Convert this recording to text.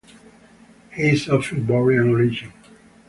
He is of Ivorian origin.